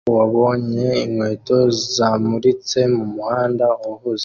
Umugabo wabonye inkweto zamuritse mumuhanda uhuze